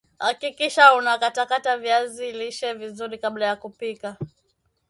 hakikisha unakatakata viazi lishe vizuri kabla ya kupika